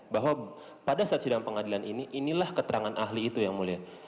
bahwa pada saat sidang pengadilan ini inilah keterangan ahli itu yang mulia